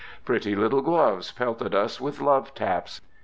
Pretty little gloves pelted us with love taps.